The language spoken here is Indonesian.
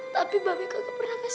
tapi mbak be gak pernah kasih emak